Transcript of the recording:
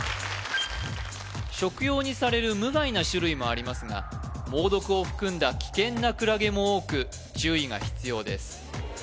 食用にされる無害な種類もありますが猛毒を含んだ危険なクラゲも多く注意が必要です